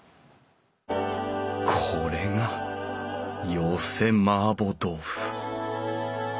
これが寄せ麻婆豆腐！